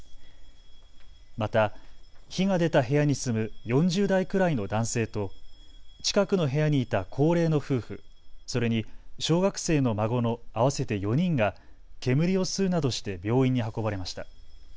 また、火が出た部屋に住む４０代くらいの男性と近くの部屋にいた高齢の夫婦、それに小学生の孫の合わせて４人が煙を吸うなどして病院に運ばれました。